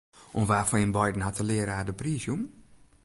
Oan wa fan jim beiden hat de learaar de priis jûn?